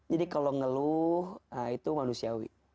jadi kalau ngeluh itu manusiawi